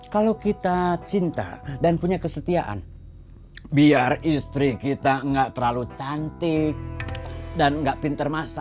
kalau kita cinta dan punya kesetiaan biar istri kita gak terlalu cantik dan gak pinter masak gak masalah